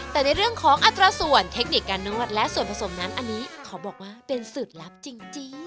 แต่ในเรื่องของอัตราส่วนเทคนิคการนวดและส่วนผสมนั้นอันนี้ขอบอกว่าเป็นสูตรลับจริง